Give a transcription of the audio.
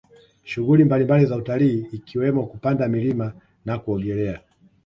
Shughuli mbalimbali za utalii ikiwemo kupanda milima na kuogelea